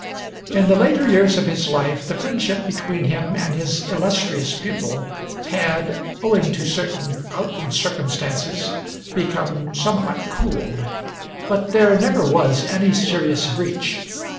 In the later years of his life, the friendship between him and his illustrious pupil had, owing to certain outward circumstances, become somewhat cooled; but there never was any serious breach.